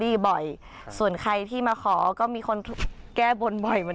อิมถุมา๕ปีแล้ว